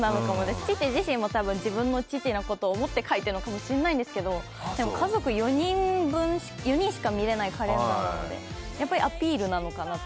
父自身も自分の父のことを思って書いてるのかもしれないんですけど、でも、家族４人しか見れないカレンダーなので、やっぱりアピールなのかなって。